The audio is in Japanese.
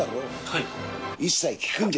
はい。